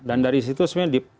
dan dari situ sebenarnya